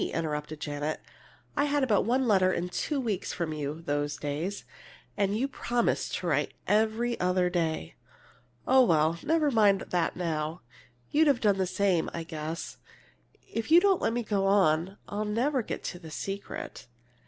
interrupted Janet. "I had about one letter in two weeks from you, those days. And you'd promised to write every other day!" "Oh well, never mind that now! You'd have done the same, I guess. If you don't let me go on, I'll never get to the secret!